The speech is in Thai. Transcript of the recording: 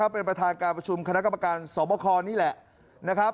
เป็นประธานการประชุมคณะกรรมการสบคนี่แหละ